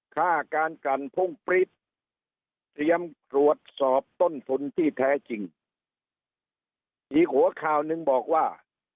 ค่าการกันพุ่งปริศเตรียมตรวจสอบต้นทุนที่แท้จริงอีกหัวข่าวหนึ่งบอกว่า